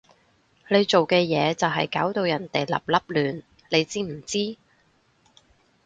你做嘅嘢就係搞到人哋立立亂，你知唔知？